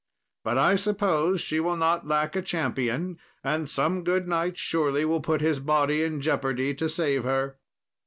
But I suppose she will not lack a champion, and some good knight surely will put his body in jeopardy to save her."